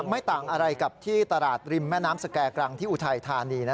ไม่ต่างอะไรกับที่ตลาดริมแม่น้ำสแก่กรังที่อุทัยธานี